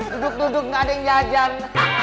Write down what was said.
duduk duduk gak ada yang jajan